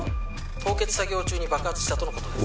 「凍結作業中に爆発したとの事です」